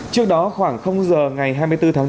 trước đó khoảng giờ ngày hai mươi bốn tháng bốn